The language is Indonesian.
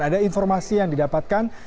ada informasi yang didapatkan